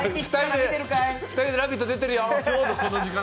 ２人で「ラヴィット！」出てるよ。